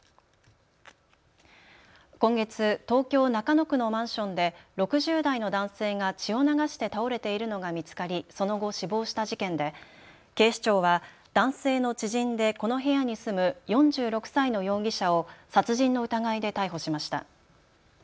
今月、東京中野区のマンションで６０代の男性が血を流して倒れているのが見つかりその後、死亡した事件で警視庁は男性の知人でこの部屋に住む４６歳の容疑者を殺人の疑いで逮捕しました。